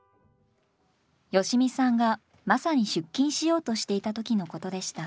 良美さんがまさに出勤しようとしていた時のことでした。